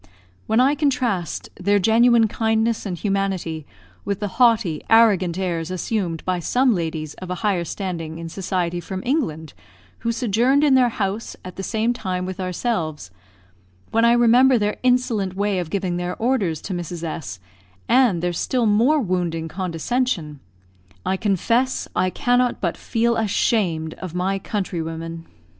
When I contrast their genuine kindness and humanity with the haughty, arrogant airs assumed by some ladies of a higher standing in society from England who sojourned in their house at the same time with ourselves when I remember their insolent way of giving their orders to Mrs. S , and their still more wounding condescension I confess I cannot but feel ashamed of my countrywomen.